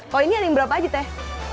poinnya ada yang berapa aja teh